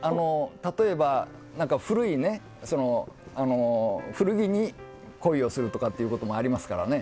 例えば、古着に恋をするとかっていう意味もありますからね。